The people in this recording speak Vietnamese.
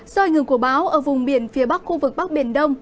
do ảnh hưởng của báo ở vùng biển phía bắc khu vực bắc biển đông